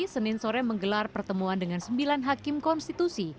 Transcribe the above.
senin sore menggelar pertemuan dengan sembilan hakim konstitusi